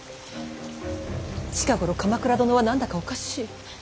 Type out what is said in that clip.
近頃鎌倉殿は何だかおかしい。